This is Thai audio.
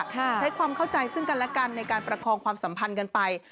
ใช้ความเข้าใจซึ่งกันและกันในการประคองความสัมพันธ์กันไป